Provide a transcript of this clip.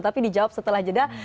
tapi dijawab setelah jeda